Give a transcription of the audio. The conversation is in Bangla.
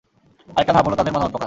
আরেকটা ধাপ হল তাদের মতামত প্রকাশ।